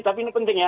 tapi ini penting ya